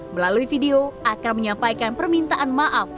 melalui video akra menyampaikan permintaan maaf